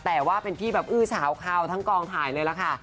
แต่ว่าเป็นที่แบบอื้อเฉาคาวทั้งกองถ่ายเลยล่ะค่ะ